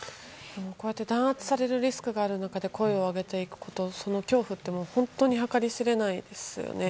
こうやって弾圧されるリスクがある中で声を上げていくこと、その恐怖は本当に計り知れないですよね。